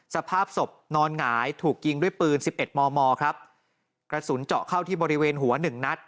สภาพศพนอนหงายถูกยิงด้วยปืนสิบเอ็ดมอครับกระสุนเจาะเข้าที่บริเวณหัวหนึ่งนัด